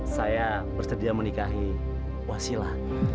saya bersedia menikahi wasila